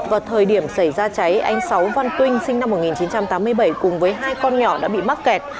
vào thời điểm xảy ra cháy anh sáu văn tuyên sinh năm một nghìn chín trăm tám mươi bảy cùng với hai con nhỏ đã bị mắc kẹt